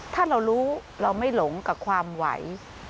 ถ้าเรารู้เราไม่หลงกับความไหว